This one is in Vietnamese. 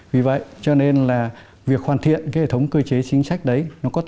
vì vậy cho nên là việc hoàn thiện hệ thống cơ chế chính xác đấy